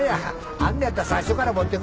あんのやったら最初から持ってこいよ。